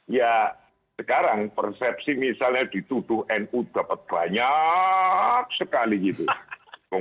ya sekarang persepsi misalnya dituduh nu dapat banyak sekali gitu